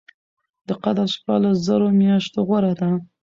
د قدر شپه له زرو مياشتو غوره ده